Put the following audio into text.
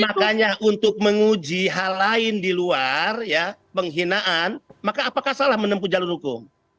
makanya untuk menguji hal lain di luar ya penghinaan maka apakah salah menempuh jalur hukum